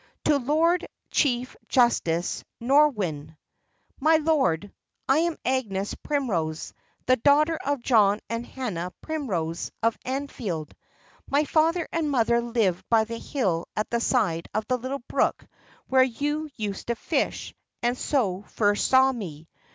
"TO LORD CHIEF JUSTICE NORWYNNE. "MY LORD, I am Agnes Primrose, the daughter of John and Hannah Primrose, of Anfield. My father and mother lived by the hill at the side of the little brook where you used to fish, and so first saw me.